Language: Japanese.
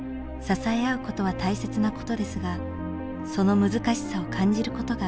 支え合うことは大切なことですがその難しさを感じることがあります。